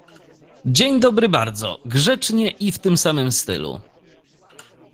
— Dzień dobry — bardzo grzecznie i w tym samym stylu.